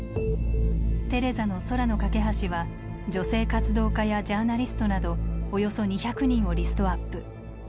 テレザの空の架け橋は女性活動家やジャーナリストなどおよそ２００人をリストアップ。